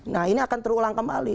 nah ini akan terulang kembali